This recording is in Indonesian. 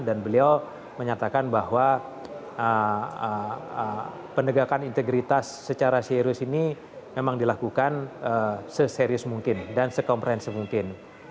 dan beliau menyatakan bahwa pendegakan integritas secara serius ini memang dilakukan seserius mungkin dan sekomprehensi mungkin